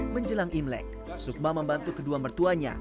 menjelang imlek sukma membantu kedua mertuanya